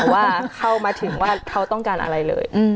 ว่าเข้ามาถึงว่าเขาต้องการอะไรเลย